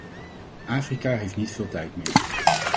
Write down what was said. Afrika heeft niet veel tijd meer.